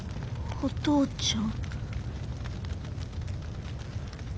お父ちゃん！